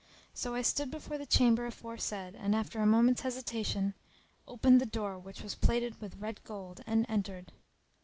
So I stood before the chamber aforesaid and, after a moment's hesitation, opened the door which was plated with red gold, and entered.